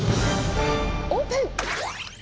オープン！